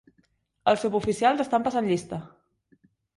Els suboficials estan passant llista.